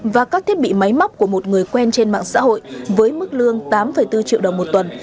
và các thiết bị máy móc của một người quen trên mạng xã hội với mức lương tám bốn triệu đồng một tuần